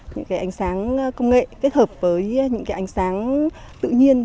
những cái ánh sáng công nghệ kết hợp với những cái ánh sáng tự nhiên